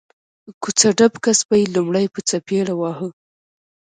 کوڅه ډب کس به یې لومړی په څپېړو واهه